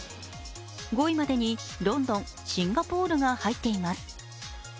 ５位までにロンドン、シンガポールが入っています。